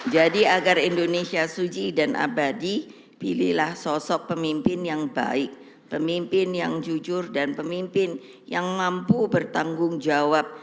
jadi agar indonesia suci dan abadi pilihlah sosok pemimpin yang baik pemimpin yang jujur dan pemimpin yang mampu bertanggung jawab